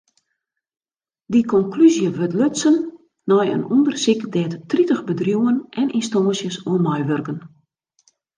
Dy konklúzje wurdt lutsen nei in ûndersyk dêr't tritich bedriuwen en ynstânsjes oan meiwurken.